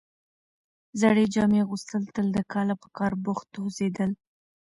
زړې جامې اغوستل تل د کاله په کار بوخت هوسېدل،